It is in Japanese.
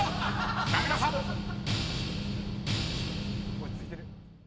落ち着いてる。